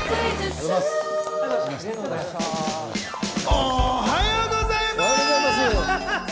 おはようございます！